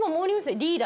リーダー